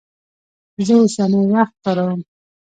زه اوسنی وخت کاروم.